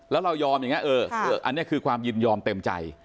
แล้วเรายอมอย่างนี้อันนี้คือความยินยอมเต็มใจ